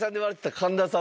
神田さん